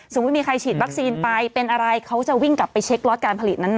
ไม่มีใครฉีดวัคซีนไปเป็นอะไรเขาจะวิ่งกลับไปเช็คล็อตการผลิตนั้นนะ